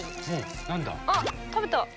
あっ食べた！